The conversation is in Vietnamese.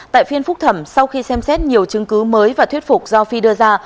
tại phiên phúc thẩm sau khi xem xét nhiều chứng cứ mới và thuyết phục do phi đưa ra